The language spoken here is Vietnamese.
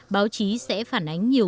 báo chí sẽ phản ánh nhiều